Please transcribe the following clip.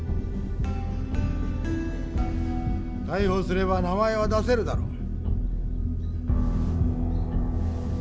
逮捕すれば名前は出せるだろう？